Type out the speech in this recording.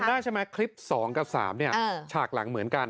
จำได้ใช่ไหมคลิปสองกับสามเนี่ยฉากหลังเหมือนกัน